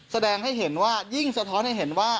แสดงให้เห็นว่ายิ่งสะท้อนให้เห็นว่า